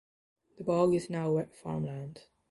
The bog is now wet farmland.